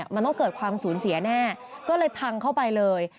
มันต้องเกิดความสูญเสียแน่ก็เลยพังเข้าไปเลย